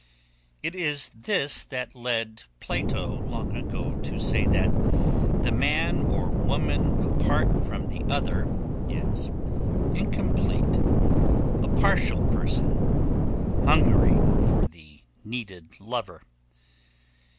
It is this that led Plato long ago to say that the man or woman apart from the other is incomplete, a partial person, hungering for the needed lover.